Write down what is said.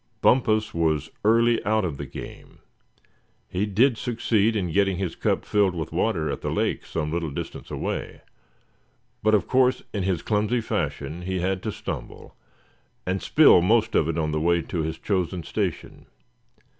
Bumpus was early out of the game. He did succeed in getting his cup filled with water at the lake some little distance away, but of course in his clumsy fashion he had to stumble, and spill most of it on the way to his chosen station.